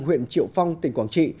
huyện triệu phong tỉnh quảng trị